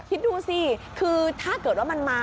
คิดดูสิคือถ้าเกิดว่ามันมา